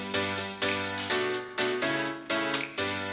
sampai jumpa lagi